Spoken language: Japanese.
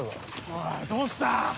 おいどうした？